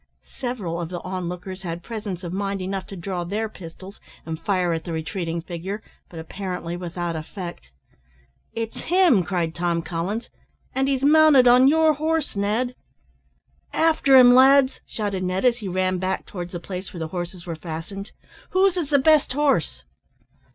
Several of the onlookers had presence of mind enough to draw their pistols and fire at the retreating figure, but apparently without effect. "It's him!" cried Tom Collins; "and he's mounted on your horse, Ned." "After him, lads!" shouted Ned, as he ran back towards the place where the horses were fastened. "Whose is the best horse?"